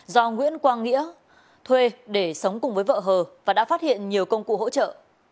do nguyễn quang nghĩa thuê để sống cùng với vợ hờ và đã phát hiện nhiều công cụ hỗ trợ